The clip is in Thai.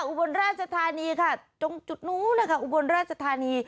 อุบลราชธานีค่ะตรงจุดนู้นนะคะอุบลราชธานี